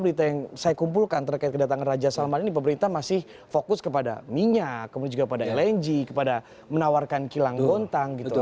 berita yang saya kumpulkan terkait kedatangan raja salman ini pemerintah masih fokus kepada minyak kemudian juga pada lng kepada menawarkan kilang gontang gitu